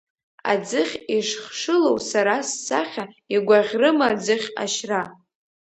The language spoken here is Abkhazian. Аӡыхь ишхшылоу сара ссахьа, игәаӷьрыма аӡыхь ашьра.